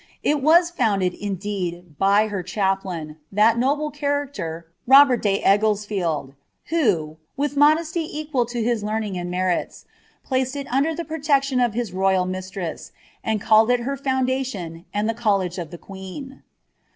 It WM founded, indeed, by her chaplain, — that noble character, Robert de Eglesfield,* who, with modesty equal to his learning aiul merits, placed it under the protection of his royal mistress, and called it her founda tion, and tlie College of the Qjueen.